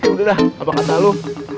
udah dah apa kata lo